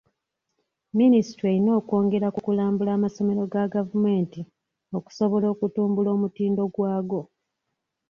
Minisitule erina okwongera ku kulambula amasomero ga gavumenti okusobola okutumbula omutindo gwago.